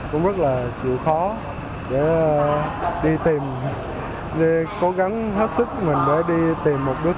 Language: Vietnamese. cũng rất là chịu khó để đi tìm để cố gắng hết sức mình để đi tìm một đứa con